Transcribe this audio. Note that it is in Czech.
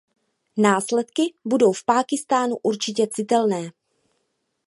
Následky budou v Pákistánu určitě citelné.